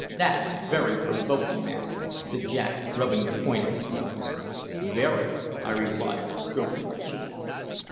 "That's very provoking, now," said Jack, rubbing the point of his nose. "Very," I replied, stroking my chin.